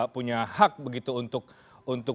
punya hak begitu untuk